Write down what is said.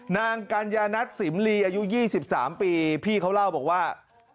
กัญญานัทสิมลีอายุ๒๓ปีพี่เขาเล่าบอกว่า